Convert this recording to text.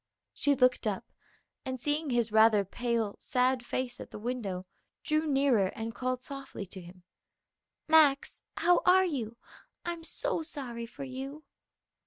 She looked up, and seeing his rather pale, sad face at the window, drew nearer and called softly to him, "Max, how are you? I'm so sorry for you."